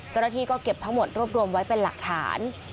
เจ้าหน้าที่ก็เก็บทั้งหมดรวบรวมไว้เป็นหลักฐาน